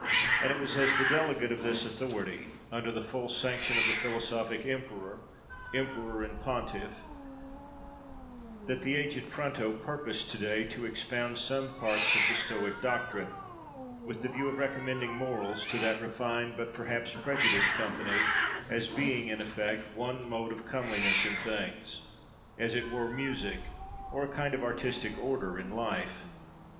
And it was as the delegate of this authority, under the full sanction of the philosophic emperor—emperor and pontiff, that the aged Fronto purposed to day to expound some parts of the Stoic doctrine, with the view of recommending morals to that refined but perhaps prejudiced company, as being, in effect, one mode of comeliness in things—as it were music, or a kind of artistic order, in life.